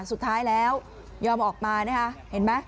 สุดท้ายแล้วยอมออกมานะคะเห็นไหม